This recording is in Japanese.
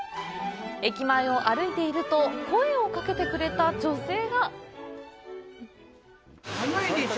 駅前を歩いていると声をかけてくれた女性が。